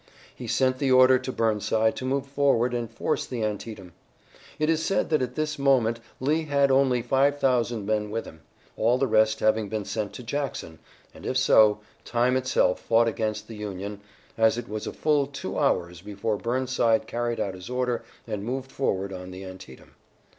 He sent the order to Burnside to move forward and force the Antietam. It is said that at this moment Lee had only five thousand men with him, all the rest having been sent to Jackson, and, if so, time itself fought against the Union, as it was a full two hours before Burnside carried out his order and moved forward on the Antietam.